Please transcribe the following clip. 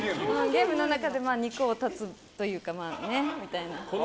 ゲームの中で肉を断つというかね。